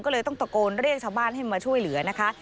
ก็เลยต้องตะโกนเรียกชาวบ้านให้มาช่วยเหลือนะคะ